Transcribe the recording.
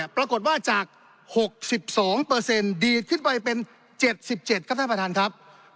ปรากฏว่าจาก๖๒เปอร์เซ็นต์ดีดขึ้นไปเป็น๗๗ครับท่านผู้ชม